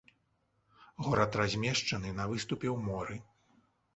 Горад размешчаны на выступе ў моры.